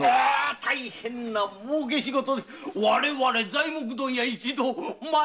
大変な儲け仕事で我々材木問屋一同待っておりました。